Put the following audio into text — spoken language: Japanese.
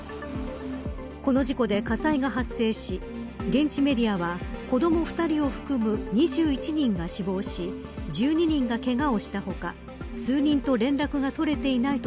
この事故で火災が発生し現地メディアは子ども２人を含む２１人が死亡し１２人がけがをした他数人と連絡が取れていないと